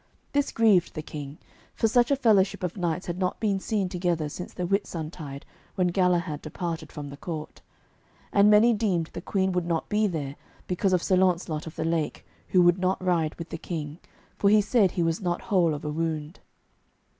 This grieved the King, for such a fellowship of knights had not been seen together since the Whitsuntide when Galahad departed from the court. And many deemed the Queen would not be there because of Sir Launcelot of the Lake, who would not ride with the King, for he said he was not whole of a wound.